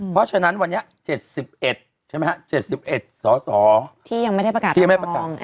เพราะฉะนั้นวันนี้๗๑ใช่ไหมฮะ๗๑สวที่ยังไม่ได้ประกาศ